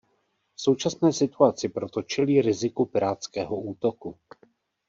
V současné situaci proto čelí riziku pirátského útoku.